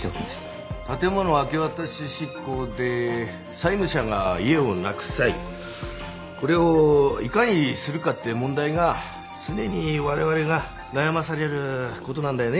建物明け渡し執行で債務者が家をなくす際これをいかにするかっていう問題が常に我々が悩まされる事なんだよね。